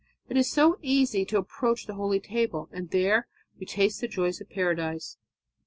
It is so easy to approach the holy table, and there we taste the joys of Paradise."